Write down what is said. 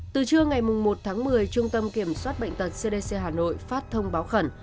từ trưa ngày một tháng một mươi trung tâm kiểm soát bệnh tật cdc hà nội phát thông báo khẩn